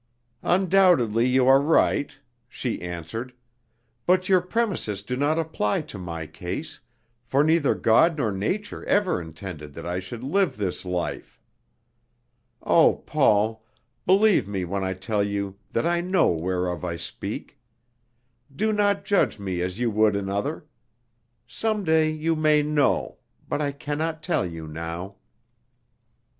"Undoubtedly you are right," she answered, "but your premises do not apply to my case, for neither God nor nature ever intended that I should live this life. Oh, Paul, believe me when I tell you that I know whereof I speak. Do not judge me as you would another; some day you may know, but I can not tell you now."